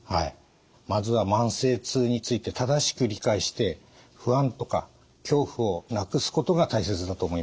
まずは慢性痛について正しく理解して不安とか恐怖をなくすことが大切だと思います。